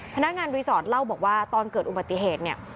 พนักงานรีสอร์ทเล่าบอกว่าตอนเกิดอุบัติเหตุเนี่ย